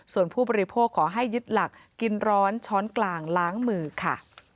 ส่วนผู้บริโภคขอให้ยึดหลักกินร้อนช้อนกลางล้างมือค่ะ